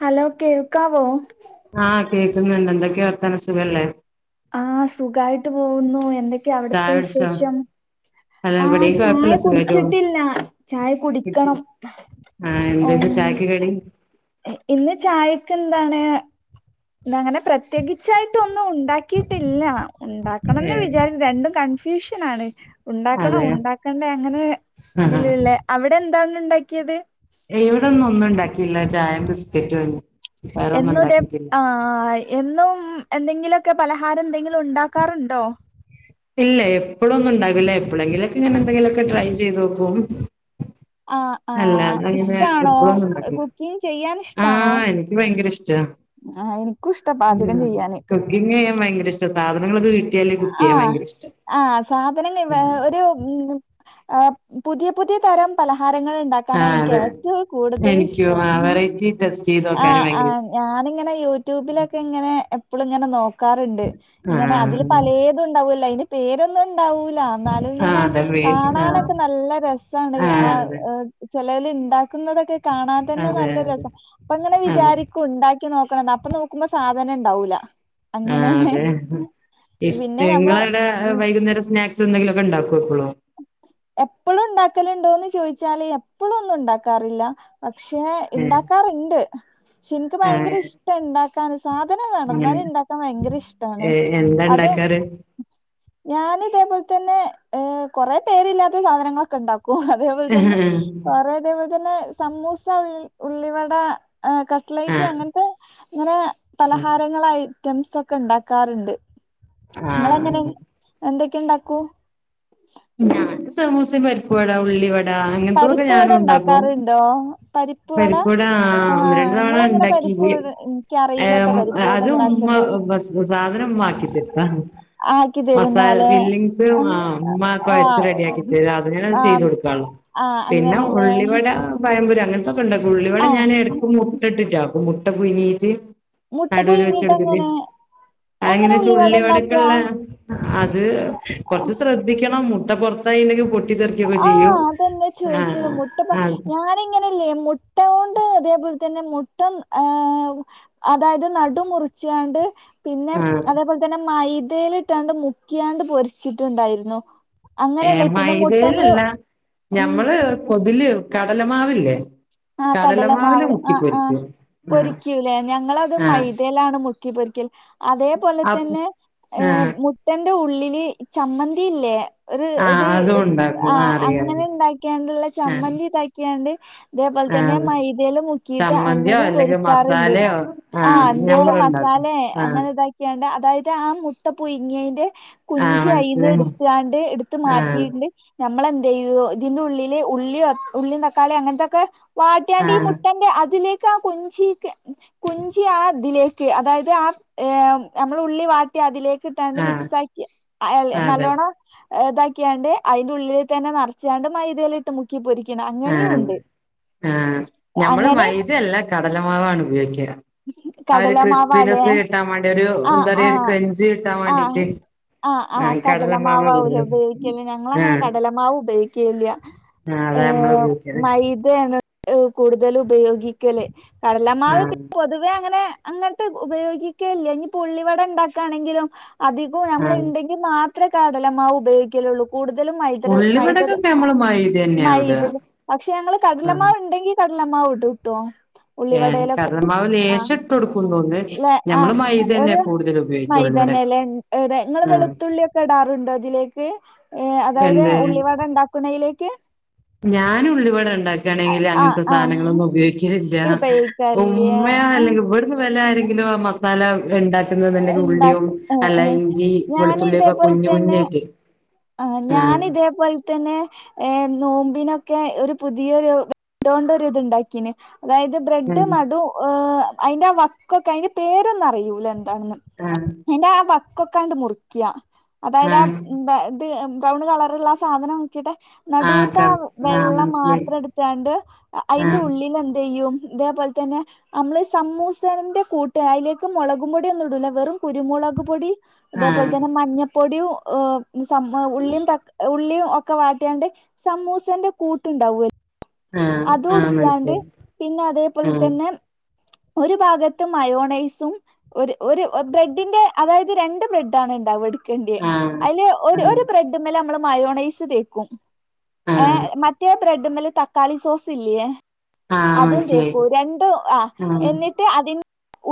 Hello കേൾക്കാവോ ആഹ് കേക്കുന്നുണ്ട് എന്തൊക്കെയ വർത്താനം സുഖല്ലേ ആഹ് സുഖായിട്ട് പോകുന്നു എന്തൊക്കെയാ ചായ അവിടത്തെ കുടിച്ചോ വിശേഷം? അല്ല ആഹ് ഇവിടെയും ചായ കുഴപ്പല്ല സുഖായിട്ട് പോണു കുടിച്ചിട്ടില്ല ചായ കുടിക്കണം ആഹ്‌ എന്തക്കെ ഉം ചായക്ക് കടി? ഇന്ന് ചായക്ക് എന്താണ് ഇന്നങ്ങനെ പ്രത്യേകിച്ചായിട്ട് ഒന്നും ഉണ്ടാക്കിയിട്ടില്ല ഉണ്ടാക്കണംന്ന് ഏഹ് വിചാരി രണ്ടും കൺ ഫ്യൂഷൻ ആണ് അതെയോ ഉണ്ടാക്കണോഉണ്ടാക്കണ്ടെ അങ്ങനെ ആഹ് ഇതിലുള്ള അവിടെന്താണ് ഇന്ന്ഉണ്ടാക്കിയത് ഇവിടെ ഇന്ന്ഒന്നും ഉണ്ടാക്കിയില്ല ചായയും ബിസ്ക്കറ്റുംണ് എന്നും ഇതെ ആഹ് ആഹ് എന്നും എന്തെങ്കിലുമൊക്കെ പലഹാരം എന്തെങ്കിലും ഉണ്ടാക്കാറുണ്ടോ? ഇല്ല എപ്പോളുംന്നും ഉണ്ടാകില്ല. എപ്പളെങ്കിലൊക്കെ ഞാൻ എന്തെങ്കിലുമൊക്കെ ട്രൈ ചെയ്തോക്കും ആഹ് അല്ലത്ത ആഹ് സമയത്ത് അ ഇഷ്ടാണോ എപ്പഴൊന്നും ഉണ്ടാക്കില്ല കുക്കിംഗ് ചെയ്യാൻ ആഹ്എനിക്ക് ഭയങ്കര ഇഷ്ട ആഹ്എനിക്കും ഇഷ്ട പാചകം ചെയ്യാന് [unintelligible] ചെയ്യാൻ ഭയങ്ക ഇഷ്ട്ട. സാധനങ്ങളക്കെ കി ആഹ് ആഹ് സാധനം നിവ ഒരു ഏഹ് പുതിയ പുതിയ തരം പലഹാരങ്ങൾ ഇണ്ടാ ക്കാണ് ആഹ് എനിക്ക് അതെ ഏറ്റവും കൂടുതൽ എനിക്കും ഇഷ്ടം ആ വെറൈറ്റി ടെസ്റ്റ് ചെയ്ത് നോക്കാനും ആഹ് ഭയങ്കര ആഹ് ഇഷ്ട ഞാനിങ്ങനെ യൂട്യൂബിലൊക്കെ ഇങ്ങനെ എപ്പളും ഇങ്ങനെ നോക്കാറുണ്ട് ഇങ്ങനെ അതിൽ ആഹ് ഏതു ണ്ടാവൂല അതിന്റെ പേരൊന്നും ഉണ്ടാവൂല ന്നാലും ആഹ് ഇങ്ങനെ അതെ വേ ആഹ് കാണാനൊക്കെ നല്ല രസാണ് ആഹ് അ് ചെലേല് ഇണ്ടാക്കുന്നതൊക്കെ കാണാൻ തന്നെ അതെ അതെ നല്ല രസാ അപ്പ ഇങ്ങനെ അതെ വിചാരിക്കും ക്കും ഇണ്ടാക്കി നോക്കണംന്ന് അപ്പൊ നോക്കുമ്പോ സാധനം ഉണ്ടാവൂല്ല ആഹ് അതെ ഇശ് പിന്നെ ഏഹ് നമ്മള് ഇങ്ങളവിടെ ഉം വൈകുന്നേരം സ്നാക്സ് സ് എന്തെങ്കിലൊക്കെണ്ടാക്കും എപ്പളും എപ്പളും ഉണ്ടാക്കലുണ്ടോന്ന് ചോദിച്ചാല് എപ്പളും ഒന്നും ഉണ്ടാക്കാറില്ല പക്ഷെ ഏഹ് ഇണ്ടാക്കാറുണ്ട് പക്ഷെ എനിക്ക് ഭയങ്കര ആഹ് ഇഷ് ടാ ഇണ്ടാക്കാൻ സാധനം വേണം അങ്ങനെ ന്നാലെ ഇണ്ടാക്കാൻ ഭയങ്കര ഇഷ്ടാണ് ഏഹ് എന്താ അതും ഇണ്ടാക്കാറ് ഞാൻ ഇതേപോലെ തന്നെ ഏഹ് കൊറെ പേര്ല്ലാത്ത സാധനങ്ങളൊക്കെ ഉണ്ടാക്കും അതേപോലെ തന്നെ ആഹ് കൊറെ അതേപോലെ തന്നെ സമൂസ ഉൾ ഉള്ളിവട ഏഹ് കട്ട്ലൈറ്റ് അങ്ങനത്തെ ഇങ്ങനെ പലഹാരങ്ങളൈറ്റംസ് ഒക്കെ ഉണ്ടാക്കാറുണ്ട് ആഹ് ഇങ്ങളെങ്ങനെ എന്തൊക്കെഉണ്ടാക്കൂ ഞാൻ സമൂസേം പരിപ്പ് വടാ ഉള്ളി വ ആഹ് അങ്ങനത്തെതൊക്കെ പരിപ്പ് വട ഞാനും ഉണ്ടാക്കും ഇണ്ടാക്കാറുണ്ടോ പരിപ്പ് വട പരിപ്പുവട ആഹ് ഒന്ന് രണ്ട് തവണ നിങ്ങളെങ്ങനെ പരിപ്പ് ഉണ്ടാക്കീന്ന് വട എനിക്കറിയില്ലട്ടോ ഏഹ് പരിപ്പ് വട അതും മ്മ ഇണ്ടാക്കല് ബസ് സാധനം മ്മ ആക്കി തര്ത്താം ആക്കി മസാല തരുന്നാലേ ഫില്ലിങ്സ് ആഹ് മ്മാ കുഴച്ച് റെഡിയാക്കി തരും അത്ങ്ങനെ ചെയ്ത് ആഹ് കൊടുക്കോള്ളൂ ആഹ് പിന്നെ അങ്ങനെല്ലേ ഉള്ളിവട പയംമ്പൊരീം അങ്ങനത്തൊക്കെ ഉണ്ടാക്കും ഉുള്ളിവടെ ആഹ് ഞാൻ ഇടക്ക് മുട്ട ഇട്ടിട്ടാക്കും മുട്ട പുയുങ്ങീട്ട് മുട്ട നടൂര് പുഴുങ്ങിട്ട് വെച്ചെടുത്തിട്ട് അങ്ങനെ അങ്ങനെ അതങ്ങനെച്ചാ ഉള്ളിവട ഉള്ളി ഉണ്ടാക്ക വടക്കുള്ള അത് കൊറച്ച് ശ്ര ട്ടിക്കണം മുട്ട പൊറത്തായിണ്ടെങ്കി പൊ ആഹ് അതന്നാ ചോയിച്ചത് മുട്ടപ്പ ആഹ് ഞാൻ അയിങ്ങനല്ലേ മുട്ട കൊണ്ട് ഇതേപോലെ തന്നെ മുട്ട ആഹ് അതായത് നടു മുറിച്ചാണ്ട് പിന്നെ ആഹ് അതേപോലെ തന്നെ മൈദയിലിട്ടാണ്ട് മുക്കിയാണ്ട് പൊരിച്ചിട്ടുണ്ടായിരുന്നു ഏഹ് അങ്ങനേണേ പിന്നെ മു [unintelligible] ഞമ്മള് പൊതില് കടലമാവില്ലേ ആഹ് കടലമാവില് കടലമാവ് ആഹ് ആഹ് മുക്കിപ്പൊരിക്കും ആഹ് പൊരിക്കൂലേ ഞങ്ങളത് ആഹ് മൈദയിലാണ് മു ക്കി പൊരിക്കൽ അതേപോലെ അപ് തന്നെ ഏഹ് ആഹ് മു ട്ടന്റെ ഉള്ളില് ചമ്മന്തി ഇല്ലേ ഒരു ആഹ് ഇത് അതും ഉണ്ടാക്കും ആഹ് അറിയാം അങ്ങനെ ഉണ്ടാക്കിയാണ്ടുള്ള ആഹ് ചമ്മന്തി ഇതാക്കിയാണ്ട് തേപോലെ തന്നെ ആഹ് മൈദേല് മുക്കിയിട്ട് ചമ്മന്തിയോ അങ്ങനെയും അല്ലെങ്കിൽ പൊരിക്കാറുണ്ട് മസാലയോ ആഹ് എന്തേലും ഞമ്മളുണ്ടാക്കും മസാലേ ആഹ് അങ്ങനെ ഇതാക്കിയാണ്ട് അതായത് ആ മുട്ട പുയിങ്ങേന്റെ ആഹ് കുഞ്ചി അയിന്ന് മനസ്സിലായി എടുത്ത്കാണ്ട് എടുത്ത് ആഹ് മാറ്റിയിണ്ട് ഞമ്മളെന്തേയ്യും ഇതിന്റെ ഉള്ളില് ഉള്ളിയും അ ഉള്ളിയും തക്കാളി അങ്ങനത്തൊക്കെ വാട്ടിയാണ്ട് ഈ ആഹ് മുട്ടന്റെ അതില് ക്കാ കുഞ്ചിക്ക് കുഞ്ചി ആ ഇതിലേക്ക് അതായത് ആ ഏഹ് നമ്മളുള്ളി വാ ട്ടി അതിലേക്ക് ഇട്ടാണ്ട് ആഹ് മിക്സ് ആക്കി [unintelligible] അതെ നല്ലോണം ഇതാക്കിയാണ്ട് അയിന്റെ ഉള്ളിലു തന്നെ നറച്ചാണ്ട് മൈദയിലിട്ട് മുക്കി പൊരിക്കണം അങ്ങനെയും ആഹ് ഉണ്ട് ആഹ് ഞമ്മള് അങ്ങനെ മൈദ അല്ല കടലമാവാണ് ഉപയോഗിക്കുക ആ ഒരു കടലമാവാലേ ക്രിസ്പിനെസ് കിട്ടാൻ വേണ്ടി ഒരു ആഹ് എന്താ പറയാ ഒരു ആഹ് ക്രഞ്ച് കിട്ടാ ആഹ് വേണ്ടീട്ട് ആഹ് ആഹ് കടലമാവാ കടലമാവാവൂലേ കൂടുതലും ഉപയോഗിക്കല് ഞങ്ങള് അങ്ങനെ ആഹ് കടലമാവ് ഉപയോഗിക്കേയില്ല ആഹ് അതെ ഏഹ് മൈദ ആണ് ആഹ് കൂടുതല് ഉപയോഗിക്കല് കടലമാവ് പി ആഹ് പൊതുവേ അങ്ങനെ അങ്ങട്ട് ഉപയോഗിക്കേയില്ല ഇനിപ്പം ഉള്ളിവട ഇണ്ടാക്കുവാണെങ്കിലും അധി ഉം മാത്രേ കടല മാവുപയോഗിക്കലുള്ളൂ കൂടുതലും മൈദടെ മൈദ ഉള്ളിവടക്കൊക്കെ നമ്മള് മൈദ തന്നെയാ ഇട മൈദ പക്ഷെ ഞങ്ങള് ആഹ് കടലമാവുണ്ടെങ്കി കടലമാവിടുട്ടോ ഏഹ് ഉള്ളിവടേലൊക്കെ കടലമാവ് ആഹ് ലേശം ഇട്ട് കൊടുക്കും തോന്നുന്നു ലേ ഞമ്മള് ആഹ് മൈദ തന്നെയാ ഒരു കൂടുതൽ ഉപയോഗിക്കുക ഉള്ളിവടക്ക് മൈദന്നെല്ലേ എതെ നിങ്ങള് ആഹ് വെളുത്ത് ള്ളൊക്കെ ഇടാറുണ്ടോ അതിലേക്ക് ഏഹ് അതായത് എന്ത് ഉള്ളി വട ഇണ്ടാക്കുന്നയിലേക്ക് ഞാനുള്ളിവട ഉണ്ടാക്കുകാണെങ്കില് ആഹ് അങ്ങനത്തെ ആഹ് സാധനങ്ങളൊന്നും ഉപയോഗി ക്കലില്ല ഉപയോഗിക്കലില്ലേ ഉമ്മയോ ആ അല്ലെങ്കി ഇവിടുന്ന് വല്ലോം ആരെങ്കിലും ആ മസാല ഉണ്ടാ [unintelligible] തന്നെ ഉള്ളിയും ഉണ്ടാക്കും ഏഹ് അല്ല ഏഹ് ഇഞ്ചിയും വെള്ളത്തിലേക്ക് ഞാൻ വെളുത്തുള്ളിയൊക്കെ ഇതേപോലെ കുഞ്ഞ് തന്നെ കുഞ്ഞാക്കി ആഹ് ഞാനിതേ പോ ലെ തന്നെ ഏഹ് നോമ്പിനൊക്കെ ഒരു പുതിയൊരു ഇതൊണ്ടൊരു ഇത്ണ്ടാക്കി അതായത് ബ്രെഡ് നടു ഹ് അതിന്റെ ആ വക്കൊക്കെ അതിന്റെ പേരൊന്നും അറയൂലനക്ക് [unintelligible] ആഹ് അയിന്റെ ആ വക്കൊക്കാണ്ട് മുറിക്ക അതായത് ആ ആഹ് ഇത് ഉം ബ്രൗണ് കളറുള്ള ആ സാധനം വെച്ചിട്ടാ നടൂത്ത ആഹ് ആ ആഹ് ആഹ് വെള്ള മനസ്സിലായി മാത്രം എടുത്താണ്ട് അതിന്റെ ആഹ് ഉള്ളിൽ എന്ത് ചെയ്യും ഇതേപോലെ തന്നെ നമ്മള് സമൂസേന്റെ കൂട്ടു അയിലേക്ക് മുള പൊടിയൊന്നും ഇടൂല വെറും കുരുമുളക് പൊടി ആഹ് ഇതേപോലെതന്നെ മഞ്ഞ പൊടിയും ആഹ് ദ് സം ഉള്ളിം തക് ഉള്ളിം ഒക്ക വാട്ട്യാണ്ട് സമൂസന്റെ കൂട്ടുണ്ടാവൊൽ ആഹ് അതൂ ആഹ് ട്ത്താണ്ട് മനസ്സിലായി പിന്നെ അതേപോലെ ആഹ് തന്നെ ഒരു ഭാഗത്ത് മയോണൈസും ഒര് ഒര് ബ്രെഡിന്റെ അതായത് രണ്ട് ബ്രെഡ് ആണ് ണ്ടാവാ. ഇട് ക്കെണ്ട്യെ. ആഹ് അയ്ല് ഒര് ആഹ് ഒര് ബ്രെഡ്മ്മല് നമ്മള് മയോണൈസ് തേക്കും. ആഹ് ഏഹ് മറ്റേ ബ്രെഡ്മ്മല് തക്കാളി സോസ് ഇല്ല്യേ. ആഹ് അതും മനസ്സിലായി തേക്കൂ രണ്ടും ആഹ് ട്ട് അതി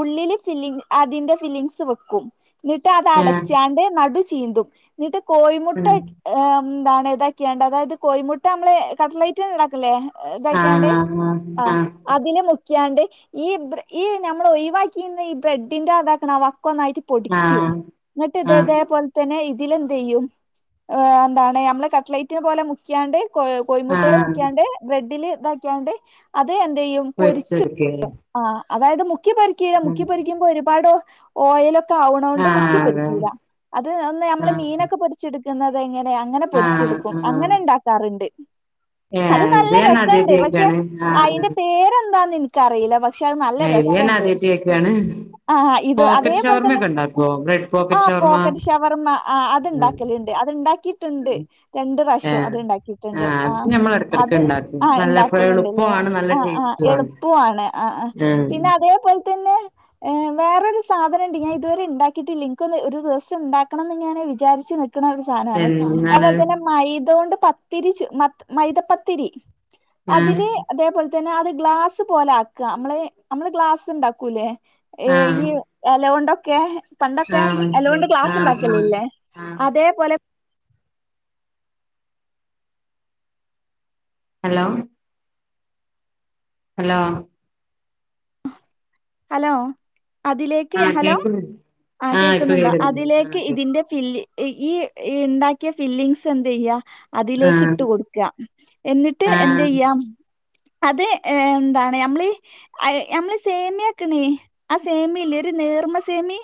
ഉള്ളിൽ ഫില്ലിംഗ് അതിന്റെ ഫില്ലിംഗ്സ് വെക്കും. ഇന്നട്ട് അത് ആഹ് അടച്ചാണ്ട് നടു ചീന്തും ന്നിട്ട് കോഴിമുട്ട ആഹ് ആഹ് ഏഹ് എന്താണ് ഇതാക്കിയാണ്ട് അതായത് കോഴിമുട്ട നമ്മള് കട്ലൈറ്റ്ന് ഇണ്ടാക്കല്ലേ ഇതാക്ക്യാണ്ട് ആഹ് അതില് മുക്ക്യാണ്ട് ഈ ബ്ര് ഈ ഞമ്മളൊഴിവാക്കീന്ന ഈ ബ്രെഡിന്റെ അതാക്ക്ണ് ആ വക്കൊന്നായിട്ട് പൊടിക്കും. ആഹ് ഇന്നട്ട് ആഹ് ഇതെതേപോലെ തന്നെ ഇതിലെന്തെയ്യും, ഏഹ് എന്താണ് നമ്മള് കട്ടലൈറ്റിന് പോലെ മുക്ക്യാണ്ട് കോ കോഴിമുട്ടേല് ആഹ് മുക്ക്യാണ്ട് ബ്രെഡില് ഇതാക്ക്യാണ്ട് അത് എന്തെയ്യും പൊരിച്ച് ഓക്കെ ആഹ് അതായത് മുക്കി പൊരിക്ക്‌യൂല മുക്കി പൊരിക്ക്യുമ്പോ ഒരുപാട് ഓയലൊ ക്കാവ്ണോണ്ട് ആഹ് മുക്കി അതാണ് പൊരിക്ക്യൂല്ല. അത് ഒന്ന് നമ്മള് ആഹ് മീനൊക്കെ പൊരി ച്ച്ട്ക്ക്ന്നത് എങ്ങനെ അങ്ങനെ ആഹ് പൊരിച്ചെടുക്കും ആഹ് അങ്ങനെ ണ്ടാക്കാറുണ്ട്. അത് ഏഹ് ഇത് നല്ല ഞാൻ ആദ്യായിട്ട് രസണ്ട് പക്ഷെ കേക്കാണ് ആഹ് അയിന്റെ പേരെന്താന്ന് ഇൻക്കറീല്ലപ ക്ഷെ അത് നല്ല ഏഹ് ഇത് ഞാൻ രസണ്ട്. ആദ്യായിട്ട് കേക്കാണ് ആഹ് ഇത് പോക്കറ്റ് അതേപോൽ തന്നെ ഷവർമ്മയൊക്കെ ഉണ്ടാക്കുവോ ബ്രെഡ് പോക്കറ്റ് ആഹ് ഷവർമ്മ പോക്കറ്റ്ഷവർമ്മ ആഹ് അത്ണ്ടാക്കല്ണ്ട്. അത്ണ്ടാ ക്കീട്ട്ണ്ട്. രണ്ട് റാശ്യം ഏഹ് അത്ണ്ടാക്കീട്ട്ണ്ട് അത് ആഹ്. ഞമ്മള് എടക്കെടക്ക് അത് ഇണ്ടാക്കും ആഹ് ഇണ്ടാ നല്ല ക്കല്ണ്ട് ലേ. എളുപ്പവാണ് നല്ല ആഹ് ആഹ് ടേസ്റ്റുവാണ് എളുപ്പു ആണ് ആഹ് ആഹ്. പിന്നെ അതേ [inaudible] ഏഹ് വേറൊരു സാധനണ്ട്, ഞാ ഇതുവരെണ്ടാക്കിട്ടില്ല ഇൻകൊന്ന് ഒരു ദിവസം ണ്ടാക്കണം ന്ന് ഞാനത് വിചാര്ച്ച് നി ക്ക്ണ ഒര് സാനാണ്. അതുപോൽ എന്നാണത് തന്നെ മൈദോണ്ട് പത്തിരി ചു മ മൈദപ്പത്തിരി. ആഹ് അതില് അതേപോൽ തന്നെ അത് ഗ്ലാസ് സ് പോലെ ആക്ക നമ്മള് നമ്മള് ഗ്ലാസ് ഉണ്ടാക്കൂല്ലേ. ആഹ് ഈയ് എലോണ്ടൊക്കെ പണ്ടൊക്കെ ആഹ് എലോണ്ട് മനസ്സിലായി ക്ലാസ് ആഹ് ഇണ്ടാക്കല് ആഹ് ല്ലേ. ആഹ് അതേപോലെ ഹലോ ഹലോ ഹലോ അതിലേക്ക്, ആഹ് ഹലോ കേക്കുന്നു ആഹ് ഇപ്പൊ കേക്കുന്നുണ്ടോ? കേക്കുന്നുണ്ട് അതിലേക്ക് ആഹ് കേ ഇതിന്റെ ഫില്ല് ഇ ഈ ഇണ്ടാക്കിയ ഫില്ലിങ്സ് എന്തെയ്യ, അതിലേക്ക് ആഹ് ഇട്ട് കൊടുക്കാ എന്നിട്ട് ആഹ് എന്തെയ്യാ. അത് ഏഎന്താണ് നമ്മള് അഹ് നമ്മള് സേമിയ ക്ക്ണീ. ആ സേമി ഇല്ലേ ഒരു നേർമ സേമി?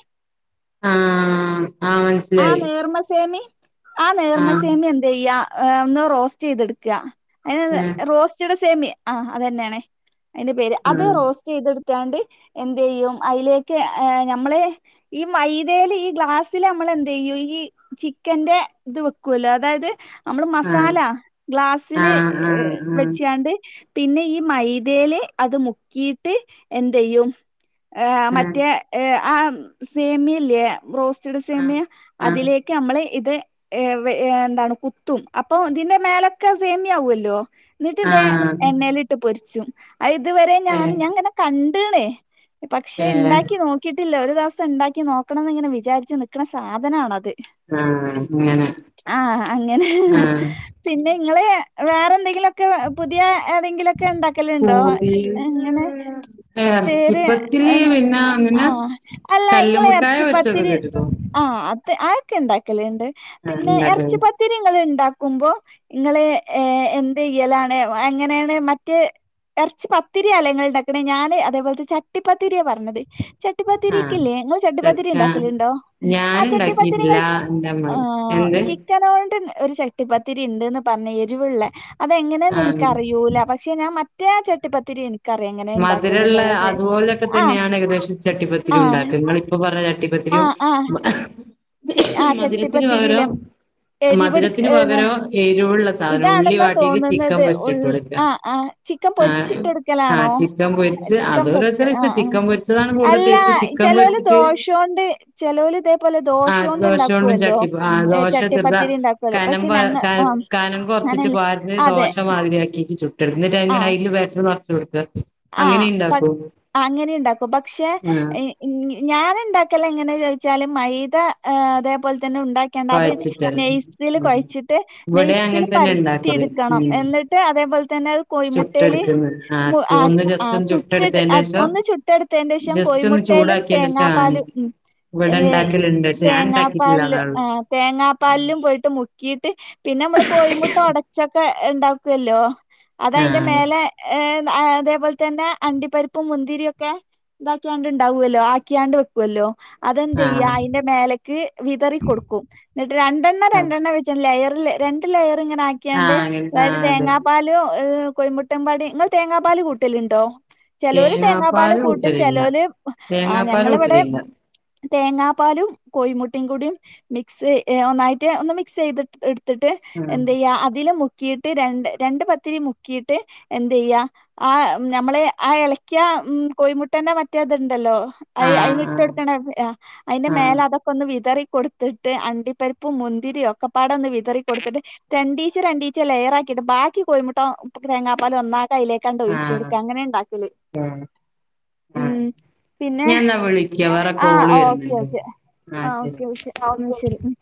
ആഹ് ആഹ് മെൻസ് ആഹ് നേർമസേമി ആഹ് നേർമസേമി എ ന്തെയ്യാ ഏഹ് ഒന്ന് റോസ്റ്റ് ചെയ്തെടുക്കാ അഹ് ആഹ് റോസ്റ്റ്ഡ് സേമി. ആഹ് അതന്നേണ് അയ്ന്റെ പേര്. അത് റോസ് റ്റ് ചെയ്ത്ട്ത്താണ്ട് എന്തെയ്യും അയ്ലേക്ക് ഏഹ് ഞമ്മള് ഈ മൈതേല് ഈ ഗ്ലാസ്സില് നമ്മളെ ന്തെയ്യു ഈ ചിക്കന്റെ ഇത് വിക്കുവല്ലോ. അതായത് നമ്മള് ആഹ് മസാല ഗ്ലാസ്സില് ആഹ് ആഹ് വെച്ചാണ്ട് പിന്നെ ഈ മൈദയിലെ അത് മുക്കിയിട്ട് എന്തയ്യും ആഹ് മറ്റേ ഏഹ് ആഹ് സേമിയല്ലേ റോസ്റ്റഡ് ആഹ് സേമിയ ആഹ് അതിലേക്ക് നമ്മള് ഇത് ഏഹ് എന്താണ് കുത്തും അപ്പൊ ഇതിന്റെ മേലൊക്കെ സേമിയവല്ലോ ന്നിട്ട് ആഹ് ഇതേ ആഹ് എണ്ണയിലിട്ട് പൊരിച്ചും അഹ് ഇതുവരെ ഞാൻ ഏഹ് ഞാൻങ്ങനെ കണ്ട്ണ് പക്ഷെ ഏഹ് ഉണ്ടാക്കി നോക്കിയിട്ടില്ല ഒരു ദിവസം ഉണ്ടാക്കി നോക്കണംന്ന് ഇങ്ങനെ വിചാരിച്ച് നിക്ണ സ സാധനനാണത് ആഹ് അങ്ങനെ ആഹ് അങ്ങനെ ആഹ് പിന്നെ ങ്ങള് വേറെ എന്തെങ്കിലു ക്ക് പുതിയ ഏതെങ്കിലുംക്കെ ഉണ്ടാക്കലുണ്ടോ ഹോബീസ് അങ്ങനെ പേര് എറച്ചിപ്പത്തിരി പിന്നെ അങ്ങനെ ആഹ് അല്ല ഇങ്ങളെ കല്ലുമ്മക്കായ ഇറച്ചി പൊരിച്ചൊക്കെ പത്തിരി കേട്ട്ക്കോ ആഹ് അത് ആക്കെ ണ്ടാക്കലേണ്ട് ആഹ് പിന്നെ ഇറച്ചി ഇണ്ടാക്ക്ണത് പ ത്തിരി ങ്ങൾ ണ്ടാക്കുമ്പോ ങ്ങള് ഏഹ് എന്തയ്യലാണ് എങ്ങനെയാണ് മറ്റ് ഇറച്ച് പത്തിര്യാലെങ്ങള് ണ്ടാക്കണേ ഞാന് അതേപോലത്തെ ചട്ടിപ്പത്തിരിയ പറഞ്ഞത് ആഹ് ചട്ടിപ്പത്തിരക്ക്ല്ലേ നിങ്ങൾ ചട്ടിപ്പാത്തിരി ചക്ക ണ്ടാക്കല്ണ്ടോ ഞാൻ ആഹ് ഇണ്ടാക്കിയിട്ടില്ല ചട്ടിപ്പത്തിങ്ങൾ എന്റെമ്മ ആ എന്ത് ചി ക്കനൊണ്ട് ഒരു ചട്ടിപ്പത്തിരിണ്ട്ന്ന് പറഞ് എരിവുള്ളേ അതെങ്ങനെന്ന് ആഹ് നിക്ക്റിയൂല പ ക്ഷെ ഞാ മറ്റേ ആഹ് ചട്ടിപ്പത്തിരി എനി മധുരള്ള അതുപോലെക്കെ ആ തന്നെയാണ് ഏകദേശം ചട്ടിപ്പത്തിരി ആഹ് ഉണ്ടാക്ക നിങ്ങളിപ്പൊ പറഞ്ഞ ചട്ടിപ്പത്തിരിയും മ ച് ആഹ് ചട്ടിപ്പത്തിരില എരിവെടുക് മധുരത്തിന് ഏഹ് പകരം എരിവുള്ള സാധനം ഉള്ളി ഇതാണെന്നാ വാട്ടിയിട്ട് ചിക്കൻ തോന്നുന്നത് പൊരിച്ചിട്ട് ഉള് കൊടുക്ക ആഹ് ആഹ് ചിക്കൻ ആഹ് പൊരിച്ചിട്ട ആഹ് ക്കലാണോ ചിക്കൻ പൊരിച്ച് ചിക്കൻ അത് പൊറിച്ച് ഓരോരുത്തരെ ഇഷ്ടം ആഹ് ആഹ് ചിക്കൻ പൊരിച്ചതാണ് കൂടുതൽ അല്ല ടേസ്റ്റ് ചിക്കൻ ചെലോല് പൊരിച്ചിട്ട് ദോഷോണ്ട് ചെലോല് ഇതേപോലെ ദോഷോ ദോഷോണ്ടും ചട്ടി പ ആഹ് ദോശ ചെറുതാ ഇണ്ടാക്കുവല്ലോ കനം പക്ഷെ ഞങ്ങ ആഹ് കനമ്പ് കൊർച്ചിട്ട് അങ്ങനെയല്ല പാ ഞേര് അതെ ദോശ മാതിരിയാക്കിട്ട് ചുട്ടിടുട്ട് ആഹ് എങ്ങനെ അയ്ല് വേറ്ററ് നർച്ടുക്ക ആഹ് പ അങ്ങനെ ണ്ടാക്കും പക്ഷെ ആഹ് എഹ് ഞാന് ണ്ടാക്കലെങ്ങനെ ചോദിച്ചാല് മൈദ അതേപോൽതന്നെ ഉണ്ടാ ക്കെണ്ടാതില് കൊഴച്ചിട്ടല്ലേ നെയ്സില് ഉം കൊഴച്ചിട്ട് ഇവിടെ നെയ്സില് അങ്ങനെ തന്നെ പരുത്തി ഇണ്ടാക്കല് എടുക്കണം ഉം എന്നി ട്ട് അതേപോൽ തന്നെ അത് കോഴിമുട്ടേല് ചുട്ടെടുക്കുന്ന് മു ആഹ് അഹ് ഒന്ന് അഹ് ജസ്റ്റ് ആഹ് ഒന്ന് ചുട്ട് അഹ് ചുട്ടെടുത്തതിന്റേഷം ഒന്ന് ചുട്ടടുത്തന്റെഷം ജസ്റ്റ് ഒന്ന് കോഴമുട്ടേലും ചൂടാക്കിയേന്റേഷം ആഹ് തേങ്ങാപ്പാലും ഉം ഇവിടെ ഏഹ് ഇണ്ടാക്കലുണ്ട് പക്ഷെ ഞാൻ തേങ്ങാപ്പാൽലോ ഇണ്ടാക്കിട്ടില്ലാന്നേ ഒള്ളൂ ആ തേങ്ങാപ്പാലിലും പോയിട്ട് മുക്കീയിട്ട് പിന്നെ നമ്മള് കോഴമുട്ട ഒടച്ചൊക്കെ ണ്ടാക്കല്ലോ അതയ്ന്റെ ആഹ് മേലെ ഏഹ് അതേപോൽ തന്നെ അണ്ടിപരിപ്പും മുന്തിരി ഒക്കെ ഇതാക്കിയാണ്ട് ണ്ടാവുല്ലോ ആക്കിയാണ്ട്. ക്കൊല്ലോ അതെന്ത്യ്യ ആഹ് അയിനെ മേലക്ക് വിതറി കൊടുക്കും എന്നിട്ട് രണ്ടെണ്ണ ആഹ് രണ്ടെണ്ണ വെച്ച ലെയർല് രണ്ട് ലെയർ ഇങ്ങനെ ആക്കി. ക്ക്യാണ്ട് ആഹ് അങ്ങനെ അതായത് ആഹ് അതെ തേങ്ങാ പാലും എഹ് കൊയിമുട്ടമ്പാടി ങ്ങൾ തേങ്ങാ പാൽ കൂട്ടലുണ്ടോ. ചെലോല് തേങ്ങാപ്പാൽ തേങ്ങാപ്പാല് കൂട്ടും കൂട്ടലില്ല ചെിലോല് ആഹ് തേങ്ങാപ്പാല് ഞങ്ങളിവിടെ. കൂട്ടലില്ല തേങ്ങാപ്പാലും കോഴിമുട്ടയും കൂടി മിക്സ് ഒന്നായിട്ട് ഒന്ന് മിക്സ്യ്ത്. ഇട് ത്ട്ട് ആഹ് എന്തയ്യാ അതില് മുക്കിട്ട് രണ്ട് രണ്ട് പത്തിരി മുക്കിട്ട് എന്ത്യ്യാ. ആഹ് ഞമ്മള് ആ ഇളക്കിയ ഉം കോഴിമുട്ടേന്റെ മറ്റേതുണ്ടല്ലോ. അഹ് അയിന് ആഹ് ഇട്ടട്ത്തണ് അയ്ന്റെ ആഹ് മേലെ അതൊക്കെ ഒന്ന് വിതറി. കൊടുത്തിട്ട് അണ്ടിപ്പരിപ്പും മുന്തിരി ഒക്കെ പാടൊന്ന് വിതറി കൊടുത്തിട്ട്. രണ്ടിച്ച രണ്ടിച്ച ലെയറാക്കിയിട്ട് ബാക്കി കോഴിമുട്ട തേങ്ങാപ്പാലും ഒന്നാക അയിലേ ആഹ് ക്കണ്ട്ഒഴിച്ചു ആഹ് കൊടുക്ക അങ്ങനെ ഇണ്ടാക്കല് ആഹ് ഉം ആഹ് പിന്നെ ഞാൻ എന്നാ വിളിക്കാം വേറെ ആഹ് കോള് ഓക്കെ വരുന്നുണ്ട് ഒക്കെ ആഹ് ഓക്കെ ഓക്കെ ന്നാ ശരി